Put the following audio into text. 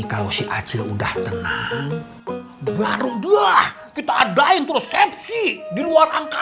kalau si acil kabur nih warno tuh jadi duda lapuk